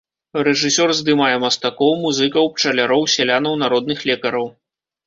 Рэжысёр здымае мастакоў, музыкаў, пчаляроў, сялянаў, народных лекараў.